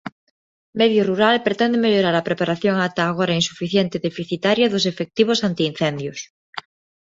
Medio Rural pretende mellorar a preparación ata agora "insuficiente e deficitaria" dos efectivos antiincendios.